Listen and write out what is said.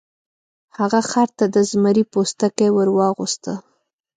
هغه خر ته د زمري پوستکی ور واغوسته.